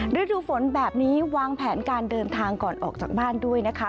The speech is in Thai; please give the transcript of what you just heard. ฤดูฝนแบบนี้วางแผนการเดินทางก่อนออกจากบ้านด้วยนะคะ